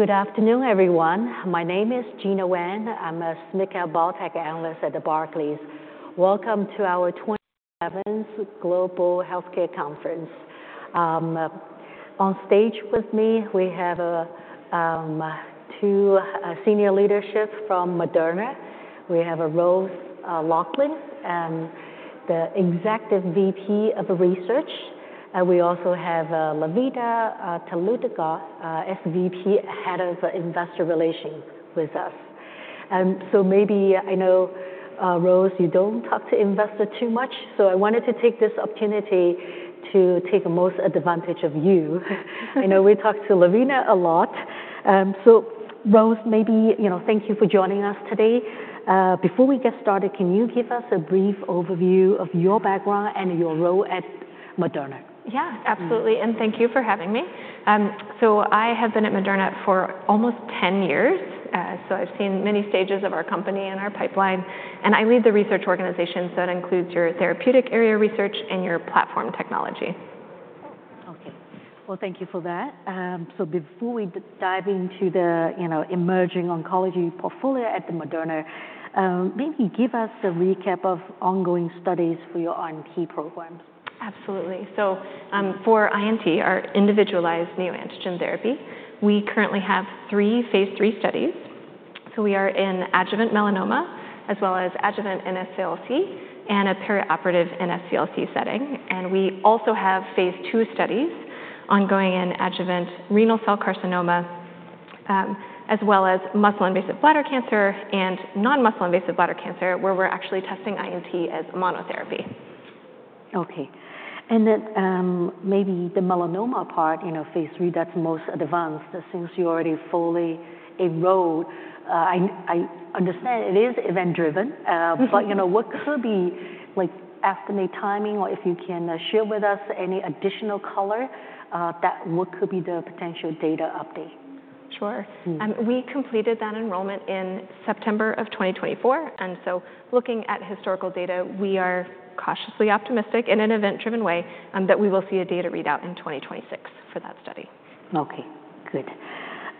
Good afternoon, everyone. My name is Gena Wang. I'm a Senior Biotech Analyst at Barclays. Welcome to our 27th Global Healthcare Conference. On stage with me, we have two senior leaderships from Moderna. We have Rose Loughlin, the Executive VP of Research. We also have Lavina Talukdar, SVP, Head of Investor Relations with us. Maybe, I know, Rose, you don't talk to investors too much, so I wanted to take this opportunity to take the most advantage of you. I know we talk to Lavina a lot. Rose, maybe, you know, thank you for joining us today. Before we get started, can you give us a brief overview of your background and your role at Moderna? Yeah, absolutely. Thank you for having me. I have been at Moderna for almost 10 years. I have seen many stages of our company and our pipeline. I lead the research organizations that include your therapeutic area research and your platform technology. Okay. Thank you for that. Before we dive into the emerging oncology portfolio at Moderna, maybe give us a recap of ongoing studies for your INT programs. Absolutely. For INT, our individualized neoantigen therapy, we currently have three phase 3 studies. We are in adjuvant melanoma, as well as adjuvant NSCLC, and a perioperative NSCLC setting. We also have Phase 2 studies ongoing in adjuvant renal cell carcinoma, as well as muscle-invasive bladder cancer and non-muscle-invasive bladder cancer, where we're actually testing INT as monotherapy. Okay. Maybe the melanoma part, Phase three, that's most advanced since you already fully enrolled. I understand it is event-driven, but what could be estimate timing, or if you can share with us any additional color, what could be the potential data update? Sure. We completed that enrollment in September of 2024. Looking at historical data, we are cautiously optimistic in an event-driven way that we will see a data readout in 2026 for that study. Okay. Good.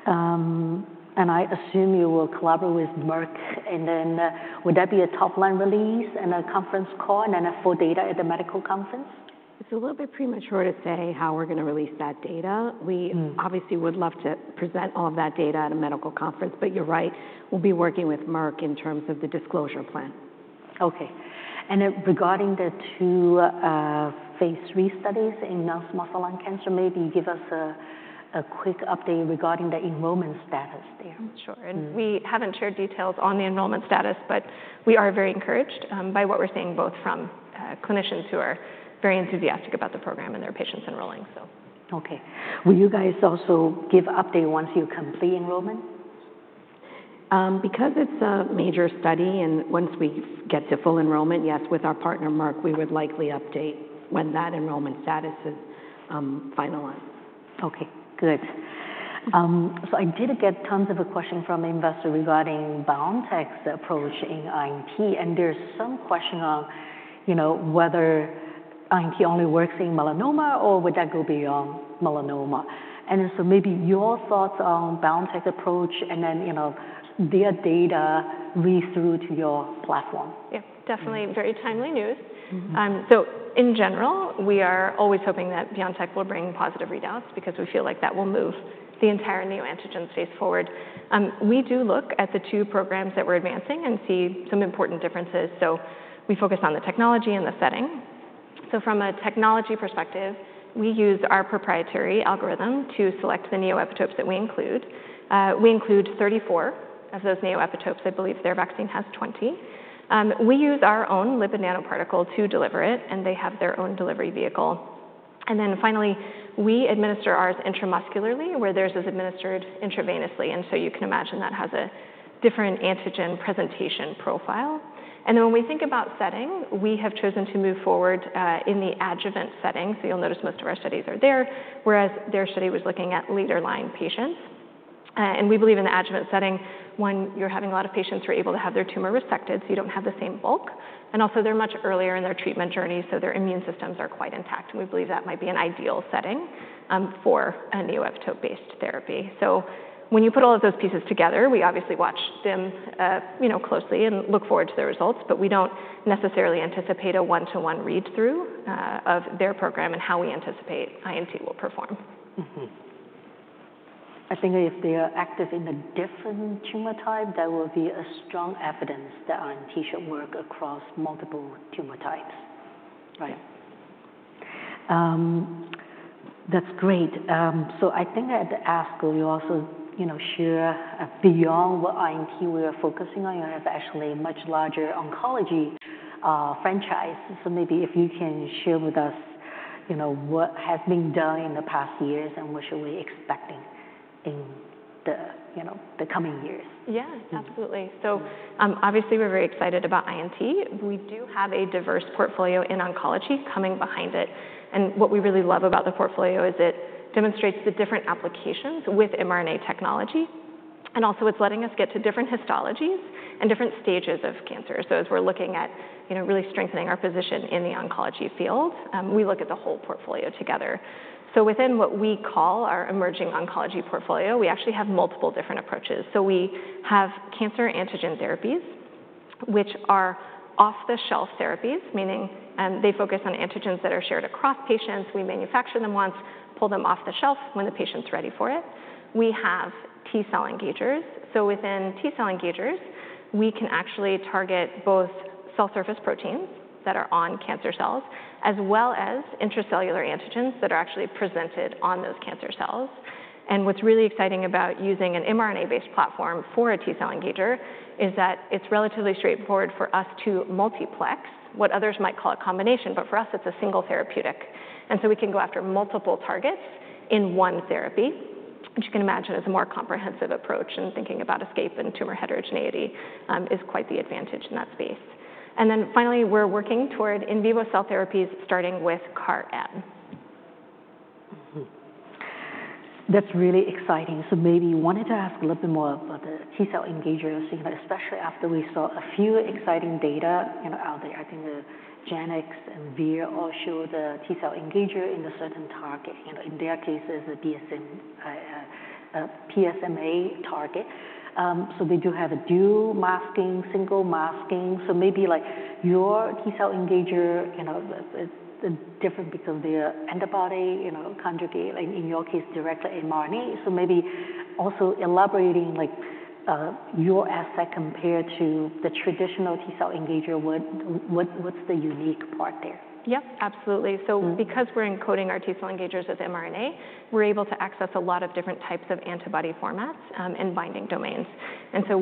I assume you will collaborate with Merck. Would that be a top-line release and a conference call and then full data at the medical conference? It's a little bit premature to say how we're going to release that data. We obviously would love to present all of that data at a medical conference, but you're right, we'll be working with Merck in terms of the disclosure plan. Okay. Regarding the two Phase 3 studies in non-small cell lung cancer, maybe give us a quick update regarding the enrollment status there. Sure. We haven't shared details on the enrollment status, but we are very encouraged by what we're seeing both from clinicians who are very enthusiastic about the program and their patients enrolling. Okay. Will you guys also give updates once you complete enrollment? Because it's a major study, and once we get to full enrollment, yes, with our partner Merck, we would likely update when that enrollment status is finalized. Okay. Good. I did get tons of questions from investors regarding BioNTech's approach in INT. There's some question on whether INT only works in melanoma or would that go beyond melanoma. Maybe your thoughts on BioNTech's approach and then their data read-through to your platform. Yeah, definitely very timely news. In general, we are always hoping that BioNTech will bring positive readouts because we feel like that will move the entire neoantigen space forward. We do look at the two programs that we're advancing and see some important differences. We focus on the technology and the setting. From a technology perspective, we use our proprietary algorithm to select the neoepitopes that we include. We include 34 of those neoepitopes. I believe their vaccine has 20. We use our own lipid nanoparticle to deliver it, and they have their own delivery vehicle. Finally, we administer ours intramuscularly, where theirs is administered intravenously. You can imagine that has a different antigen presentation profile. When we think about setting, we have chosen to move forward in the adjuvant setting. You'll notice most of our studies are there, whereas their study was looking at later line patients. We believe in the adjuvant setting, one, you're having a lot of patients who are able to have their tumor resected, so you don't have the same bulk. Also, they're much earlier in their treatment journey, so their immune systems are quite intact. We believe that might be an ideal setting for a neoepitope-based therapy. When you put all of those pieces together, we obviously watch them closely and look forward to the results, but we don't necessarily anticipate a one-to-one read-through of their program and how we anticipate INT will perform. I think if they are active in a different tumor type, there will be strong evidence that INT should work across multiple tumor types. Right? Yeah. That's great. I think at ASCO, you also share beyond what INT we are focusing on, you have actually a much larger oncology franchise. Maybe if you can share with us what has been done in the past years and what should we expect in the coming years. Yeah, absolutely. Obviously, we're very excited about INT. We do have a diverse portfolio in oncology coming behind it. What we really love about the portfolio is it demonstrates the different applications with mRNA technology. Also, it's letting us get to different histologies and different stages of cancer. As we're looking at really strengthening our position in the oncology field, we look at the whole portfolio together. Within what we call our emerging oncology portfolio, we actually have multiple different approaches. We have cancer antigen therapies, which are off-the-shelf therapies, meaning they focus on antigens that are shared across patients. We manufacture them once, pull them off the shelf when the patient's ready for it. We have T-cell engagers. Within T-cell engagers, we can actually target both cell surface proteins that are on cancer cells as well as intracellular antigens that are actually presented on those cancer cells. What's really exciting about using an mRNA-based platform for a T-cell engager is that it's relatively straightforward for us to multiplex what others might call a combination, but for us, it's a single therapeutic. We can go after multiple targets in one therapy, which you can imagine is a more comprehensive approach. Thinking about escape and tumor heterogeneity is quite the advantage in that space. Finally, we're working toward in vivo cell therapies, starting with CAR-M. That's really exciting. Maybe you wanted to ask a little bit more about the T-cell engagers, especially after we saw a few exciting data out there. I think the Janux and Vir all show the T-cell engager in a certain target. In their case, it's a PSMA target. They do have a dual masking, single masking. Maybe your T-cell engager is different because their antibody conjugate, in your case, directly mRNA. Maybe also elaborating your asset compared to the traditional T-cell engager, what's the unique part there? Yep, absolutely. Because we're encoding our T-cell engagers with mRNA, we're able to access a lot of different types of antibody formats and binding domains.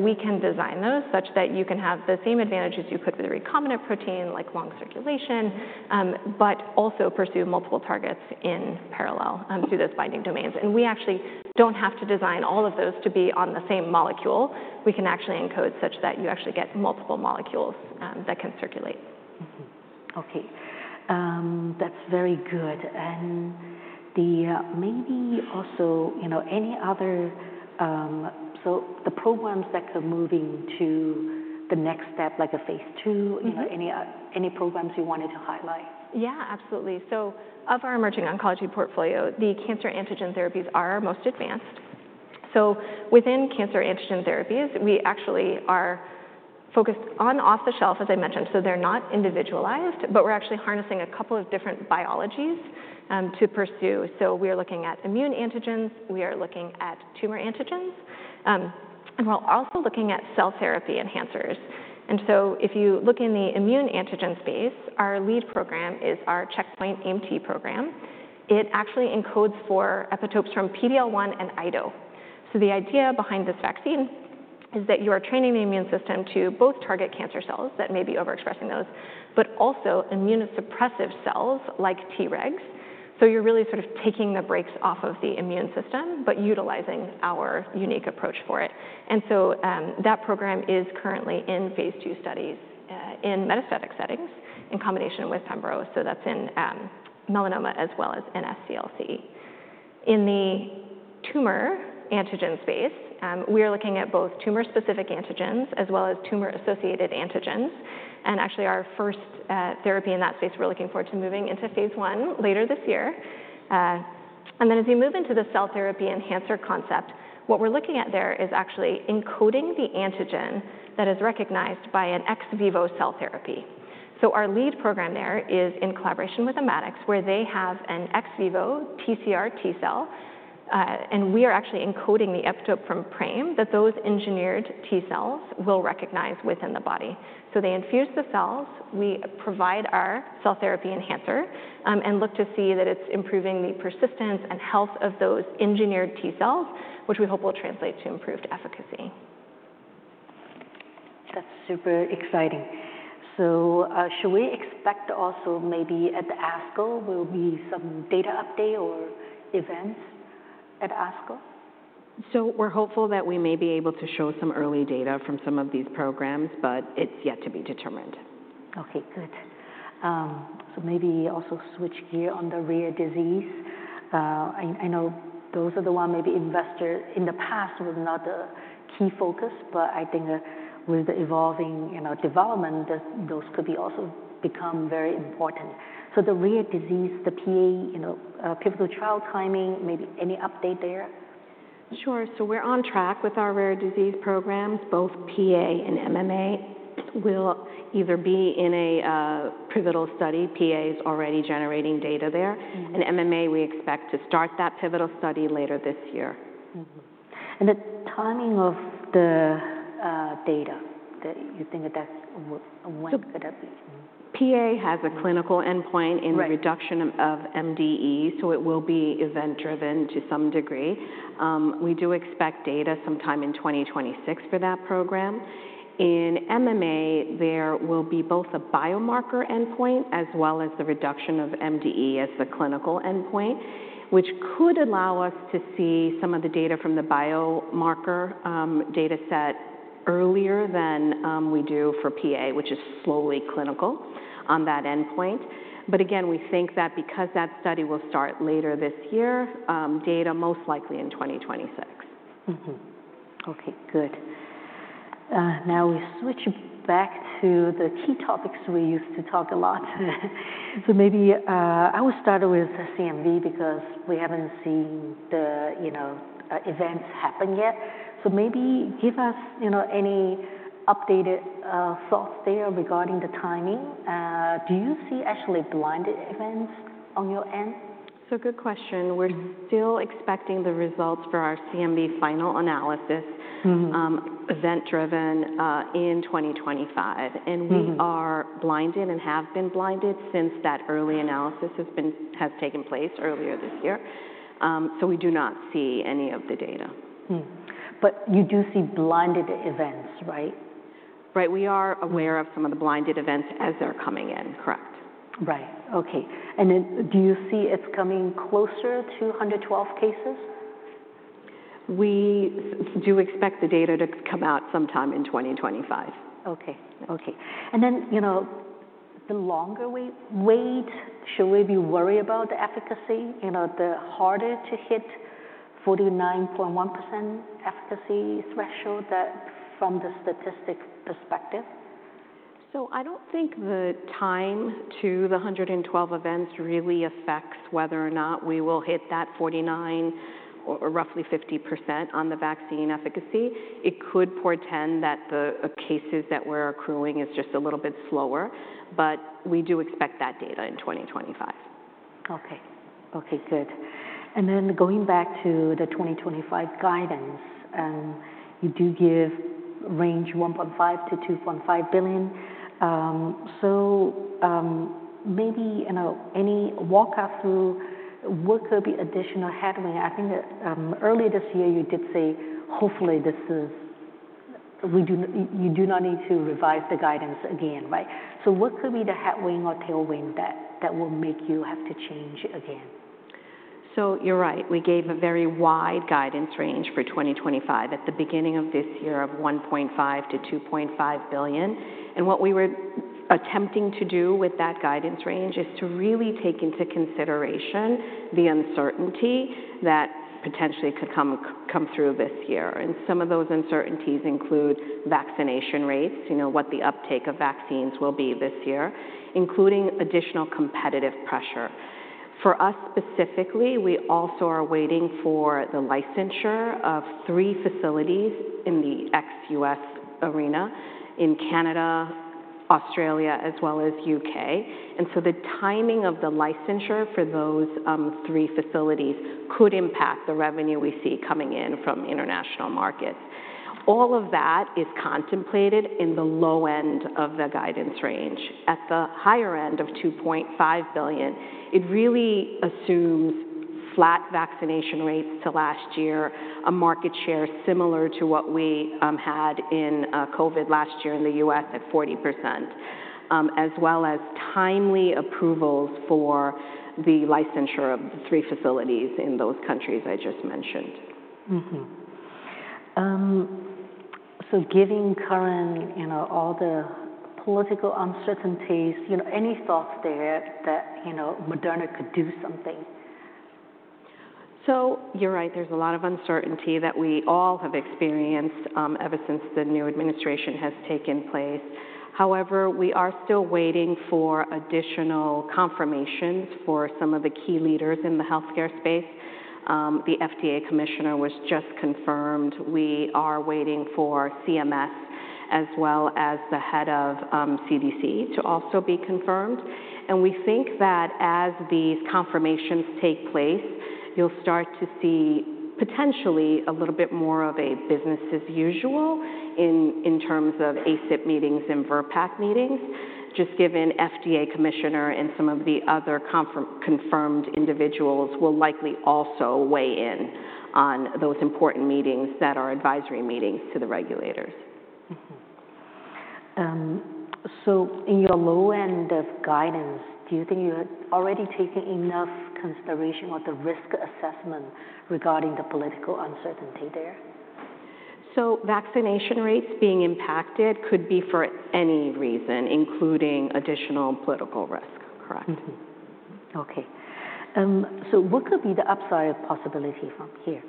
We can design those such that you can have the same advantages you could with a recombinant protein, like long circulation, but also pursue multiple targets in parallel through those binding domains. We actually don't have to design all of those to be on the same molecule. We can actually encode such that you actually get multiple molecules that can circulate. Okay. That's very good. Maybe also any other programs that could move into the next step, like a Phase 2, any programs you wanted to highlight? Yeah, absolutely. Of our emerging oncology portfolio, the cancer antigen therapies are our most advanced. Within cancer antigen therapies, we actually are focused on off-the-shelf, as I mentioned. They're not individualized, but we're actually harnessing a couple of different biologies to pursue. We are looking at immune antigens. We are looking at tumor antigens. We are also looking at cell therapy enhancers. If you look in the immune antigen space, our lead program is our Checkpoint AMT program. It actually encodes for epitopes from PD-L1 and IDO. The idea behind this vaccine is that you are training the immune system to both target cancer cells that may be overexpressing those, but also immunosuppressive cells like T-regs. You're really sort of taking the brakes off of the immune system, but utilizing our unique approach for it. That program is currently in Phase 2 studies in metastatic settings in combination with pembrolizumab. That is in melanoma as well as NSCLC. In the tumor antigen space, we are looking at both tumor-specific antigens as well as tumor-associated antigens. Actually, our first therapy in that space, we are looking forward to moving into Phase 1 later this year. As you move into the cell therapy enhancer concept, what we are looking at there is actually encoding the antigen that is recognized by an ex vivo cell therapy. Our lead program there is in collaboration with Immatics, where they have an ex vivo TCR T-cell. We are actually encoding the epitope from PRAME that those engineered T-cells will recognize within the body. They infuse the cells. We provide our cell therapy enhancer and look to see that it's improving the persistence and health of those engineered T-cells, which we hope will translate to improved efficacy. That's super exciting. Should we expect also maybe at ASCO, will be some data update or events at ASCO? We are hopeful that we may be able to show some early data from some of these programs, but it is yet to be determined. Okay, good. Maybe also switch gears on the rare disease. I know those are the ones maybe investors in the past were not a key focus, but I think with the evolving development, those could also become very important. The rare disease, the PA pivotal trial timing, maybe any update there? Sure. We're on track with our rare disease programs. Both PA and MMA will either be in a pivotal study. PA is already generating data there. MMA, we expect to start that pivotal study later this year. The timing of the data, you think that's when could that be? PA has a clinical endpoint in the reduction of MDE, so it will be event-driven to some degree. We do expect data sometime in 2026 for that program. In MMA, there will be both a biomarker endpoint as well as the reduction of MDE as the clinical endpoint, which could allow us to see some of the data from the biomarker data set earlier than we do for PA, which is solely clinical on that endpoint. Again, we think that because that study will start later this year, data most likely in 2026. Okay, good. Now we switch back to the key topics we used to talk a lot. Maybe I will start with CMV because we haven't seen the events happen yet. Maybe give us any updated thoughts there regarding the timing. Do you see actually blinded events on your end? Good question. We're still expecting the results for our CMV final analysis event-driven in 2025. We are blinded and have been blinded since that early analysis has taken place earlier this year. We do not see any of the data. You do see blinded events, right? Right. We are aware of some of the blinded events as they're coming in, correct. Right. Okay. Do you see it's coming closer to 112 cases? We do expect the data to come out sometime in 2025. Okay. Okay. The longer we wait, should we be worried about the efficacy? The harder to hit 49.1% efficacy threshold from the statistic perspective? I don't think the time to the 112 events really affects whether or not we will hit that 49 or roughly 50% on the vaccine efficacy. It could portend that the cases that we're accruing is just a little bit slower, but we do expect that data in 2025. Okay. Okay, good. Going back to the 2025 guidance, you do give range $1.5 billion-$2.5 billion. Maybe any walk-up through what could be additional headwind? I think earlier this year, you did say, hopefully, you do not need to revise the guidance again, right? What could be the headwind or tailwind that will make you have to change again? You're right. We gave a very wide guidance range for 2025 at the beginning of this year of $1.5 billion-$2.5 billion. What we were attempting to do with that guidance range is to really take into consideration the uncertainty that potentially could come through this year. Some of those uncertainties include vaccination rates, what the uptake of vaccines will be this year, including additional competitive pressure. For us specifically, we also are waiting for the licensure of three facilities in the ex-U.S. arena in Canada, Australia, as well as the U.K. The timing of the licensure for those three facilities could impact the revenue we see coming in from international markets. All of that is contemplated in the low end of the guidance range. At the higher end of $2.5 billion, it really assumes flat vaccination rates to last year, a market share similar to what we had in COVID last year in the U.S. at 40%, as well as timely approvals for the licensure of the three facilities in those countries I just mentioned. Given current all the political uncertainties, any thoughts there that Moderna could do something? You're right. There's a lot of uncertainty that we all have experienced ever since the new administration has taken place. However, we are still waiting for additional confirmations for some of the key leaders in the healthcare space. The FDA commissioner was just confirmed. We are waiting for CMS, as well as the head of CDC to also be confirmed. We think that as these confirmations take place, you'll start to see potentially a little bit more of a business-as-usual in terms of ACIP meetings and VRBPAC meetings, just given FDA commissioner and some of the other confirmed individuals will likely also weigh in on those important meetings that are advisory meetings to the regulators. In your low end of guidance, do you think you had already taken enough consideration or the risk assessment regarding the political uncertainty there? Vaccination rates being impacted could be for any reason, including additional political risk, correct. Okay. What could be the upside of possibility from here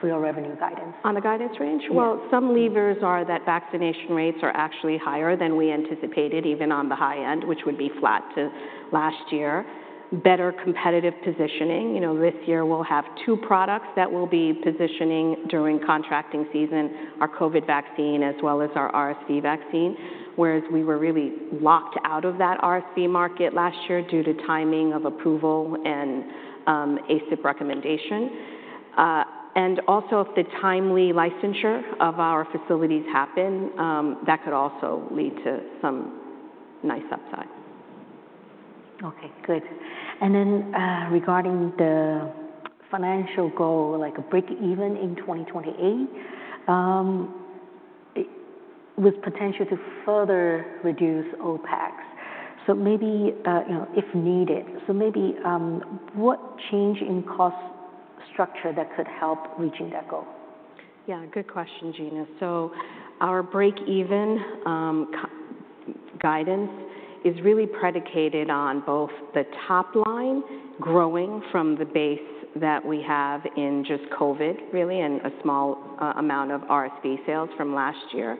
for your revenue guidance? On the guidance range? Some levers are that vaccination rates are actually higher than we anticipated, even on the high end, which would be flat to last year. Better competitive positioning. This year, we'll have two products that will be positioning during contracting season, our COVID vaccine as well as our RSV vaccine, whereas we were really locked out of that RSV market last year due to timing of approval and ACIP recommendation. Also, if the timely licensure of our facilities happens, that could also lead to some nice upside. Okay, good. Regarding the financial goal, like a break-even in 2028 with potential to further reduce OpEx, maybe if needed, maybe what change in cost structure that could help reaching that goal? Yeah, good question, Gena. Our break-even guidance is really predicated on both the top line growing from the base that we have in just COVID, really, and a small amount of RSV sales from last year,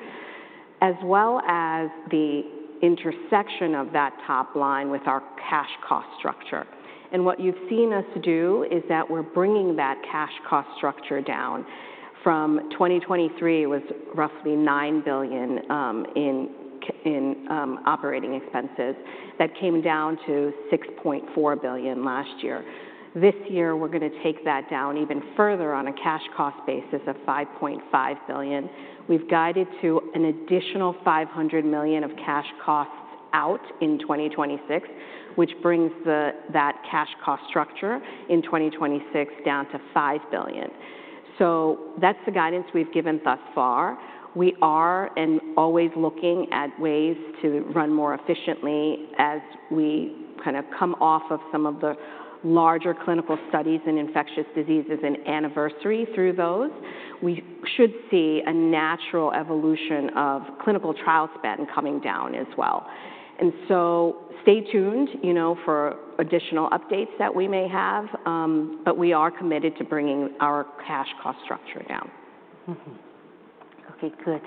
as well as the intersection of that top line with our cash cost structure. What you've seen us do is that we're bringing that cash cost structure down. From 2023, it was roughly $9 billion in operating expenses that came down to $6.4 billion last year. This year, we're going to take that down even further on a cash cost basis of $5.5 billion. We've guided to an additional $500 million of cash costs out in 2026, which brings that cash cost structure in 2026 down to $5 billion. That's the guidance we've given thus far. We are always looking at ways to run more efficiently as we kind of come off of some of the larger clinical studies in infectious diseases and anniversary through those. We should see a natural evolution of clinical trial spend coming down as well. Stay tuned for additional updates that we may have, but we are committed to bringing our cash cost structure down. Okay, good.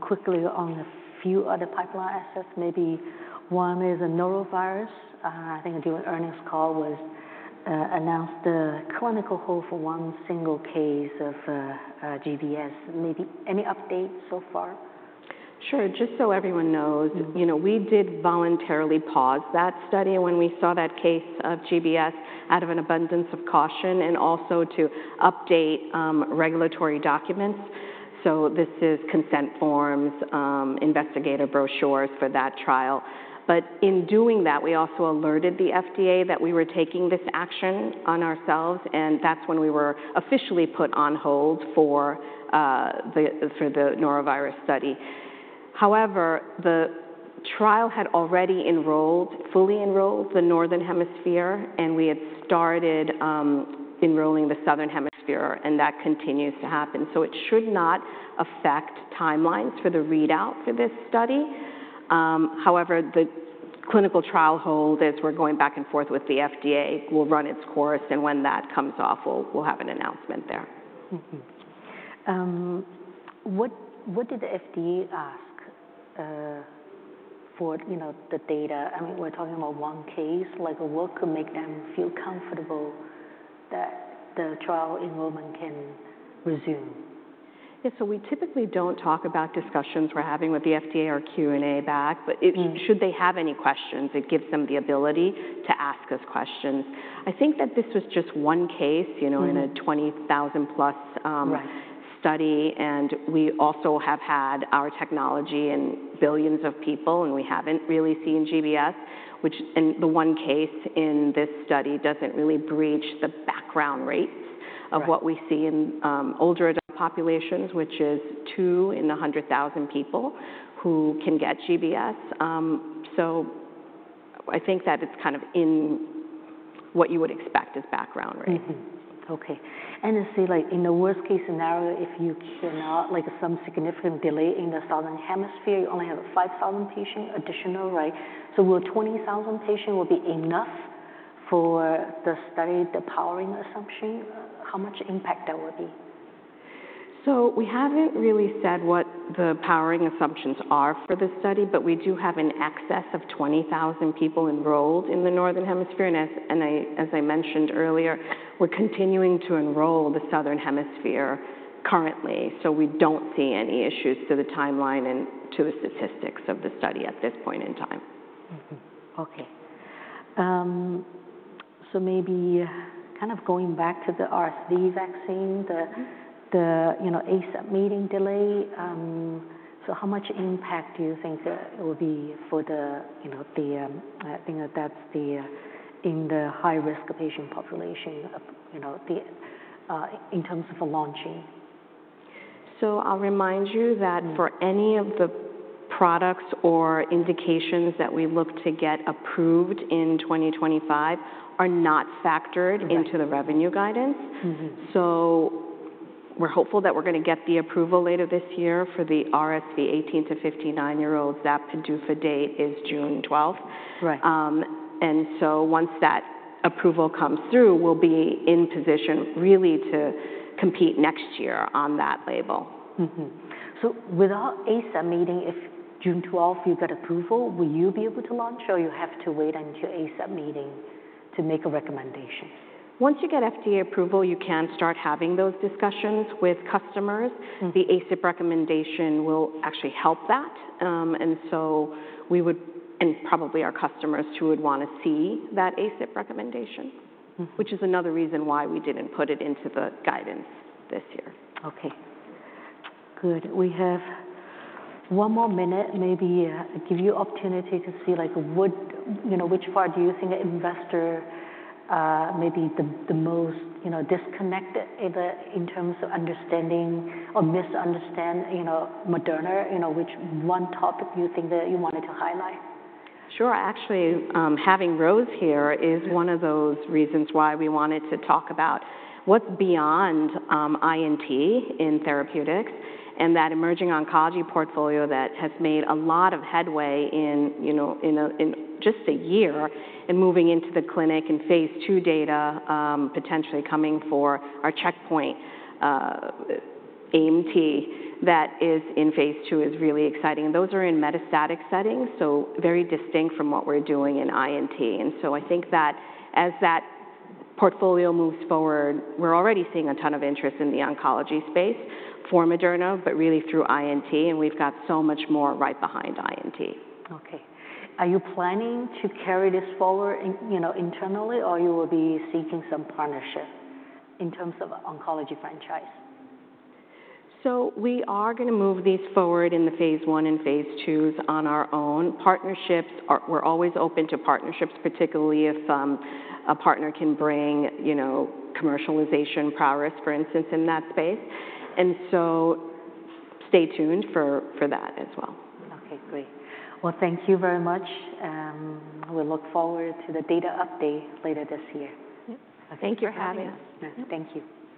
Quickly on a few other pipeline assets. Maybe one is Norovirus. I think a earnings call announced the clinical hold for one single case of GBS. Maybe any update so far? Sure. Just so everyone knows, we did voluntarily pause that study when we saw that case of GBS out of an abundance of caution and also to update regulatory documents. This is consent forms, investigator brochures for that trial. In doing that, we also alerted the FDA that we were taking this action on ourselves. That is when we were officially put on hold for the Norovirus study. However, the trial had already fully enrolled the northern hemisphere, and we had started enrolling the southern hemisphere, and that continues to happen. It should not affect timelines for the readout for this study. However, the clinical trial hold, as we are going back and forth with the FDA, will run its course. When that comes off, we will have an announcement there. What did the FDA ask for the data? I mean, we're talking about one case. What could make them feel comfortable that the trial enrollment can resume? Yeah, so we typically do not talk about discussions we are having with the FDA or Q&A back, but should they have any questions, it gives them the ability to ask us questions. I think that this was just one case in a 20,000-plus study. We also have had our technology in billions of people, and we have not really seen GBS, which in the one case in this study does not really breach the background rates of what we see in older adult populations, which is two in 100,000 people who can get GBS. I think that it is kind of in what you would expect as background rate. Okay. I see in the worst-case scenario, if you cannot, like, some significant delay in the southern hemisphere, you only have 5,000 patients additional, right? Will 20,000 patients be enough for the study, the powering assumption? How much impact would that be? We haven't really said what the powering assumptions are for this study, but we do have an excess of 20,000 people enrolled in the northern hemisphere. As I mentioned earlier, we're continuing to enroll the southern hemisphere currently. We don't see any issues to the timeline and to the statistics of the study at this point in time. Okay. Maybe kind of going back to the RSV vaccine, the ACIP meeting delay, how much impact do you think it will be for the, I think that's in the high-risk patient population in terms of launching? I'll remind you that for any of the products or indications that we look to get approved in 2025 are not factored into the revenue guidance. We're hopeful that we're going to get the approval later this year for the RSV 18-59-year-olds. That PDUFA date is June 12th. Once that approval comes through, we'll be in position really to compete next year on that label. Without ACIP meeting, if June 12th you get approval, will you be able to launch or you have to wait until ACIP meeting to make a recommendation? Once you get FDA approval, you can start having those discussions with customers. The ACIP recommendation will actually help that. We would and probably our customers too would want to see that ACIP recommendation, which is another reason why we did not put it into the guidance this year. Okay. Good. We have one more minute. Maybe give you an opportunity to see which part do you think investor may be the most disconnected in terms of understanding or misunderstand Moderna, which one topic you think that you wanted to highlight? Sure. Actually, having Rose here is one of those reasons why we wanted to talk about what's beyond INT in therapeutics and that emerging oncology portfolio that has made a lot of headway in just a year and moving into the clinic and phase two data potentially coming for our Checkpoint AMT that is in phase two is really exciting. Those are in metastatic settings, so very distinct from what we're doing in INT. I think that as that portfolio moves forward, we're already seeing a ton of interest in the oncology space for Moderna, but really through INT. We've got so much more right behind INT. Okay. Are you planning to carry this forward internally or you will be seeking some partnership in terms of oncology franchise? We are going to move these forward in the Phase 1 and Phase 2s on our own. Partnerships, we're always open to partnerships, particularly if a partner can bring commercialization prowess, for instance, in that space. Stay tuned for that as well. Okay, great. Thank you very much. We look forward to the data update later this year. Thank you for having us. Thank you.